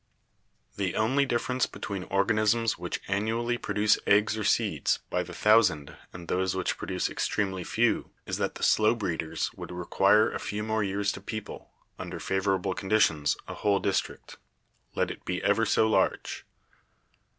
"The only difference between organisms which annually produce eggs or seeds by the thousand and those which produce extremely few is that the slow breeders would require a few more years to people, under favorable con ditions, a whole district, let it be ever so large.